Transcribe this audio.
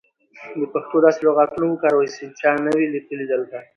د پښتو داسې لغاتونه وکاروئ سی چا نه وې لیکلي دلته.